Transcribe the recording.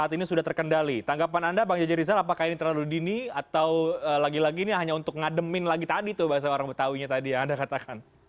saat ini sudah terkendali tanggapan anda bang jajarizal apakah ini terlalu dini atau lagi lagi ini hanya untuk ngademin lagi tadi tuh bahasa orang betawinya tadi yang anda katakan